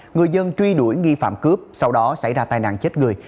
người dân truy đuổi nghi phạm cướp sau đó xảy ra tai nạn chết người